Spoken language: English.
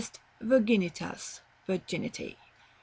Virginitas. Virginity.